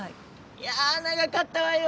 いや長かったわよ。